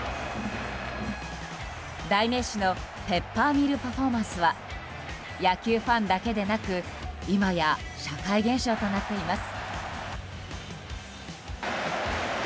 代名詞のペッパーミルパフォーマンスは野球ファンだけでなく今や社会現象となっています。